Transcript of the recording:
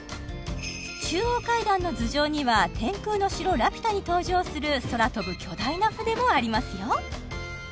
中央階段の頭上には「天空の城ラピュタ」に登場する空飛ぶ巨大な船もありますよ